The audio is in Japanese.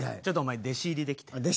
ちょっとお前弟子入りで来て。